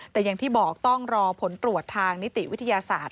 แต่อย่างที่บอกต้องรอผลตรวจทางนิติวิทยาศาสตร์